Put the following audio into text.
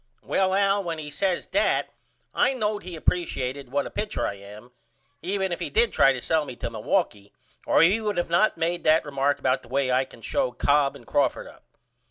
Well Al when he says that I knowed he appresiated what a pitcher I am even if he did try to sell me to Milwaukee or he would not of made that remark about the way I can show Cobb and Crawford up.